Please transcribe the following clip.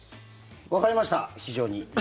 わかりました、非常に。